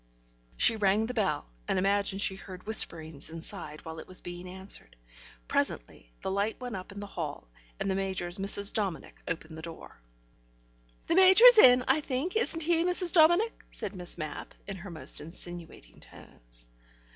She rang the bell, and imagined she heard whisperings inside while it was being answered. Presently the light went up in the hall, and the Major's Mrs. Dominic opened the door. "The Major is in, I think, isn't he, Mrs. Dominic?" said Miss Mapp, in her most insinuating tones.